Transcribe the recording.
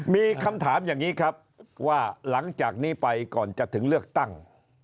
มีคำถามอย่างนี้ครับว่าหลังจากนี้ไปก่อนจะถึงเลือกตั้ง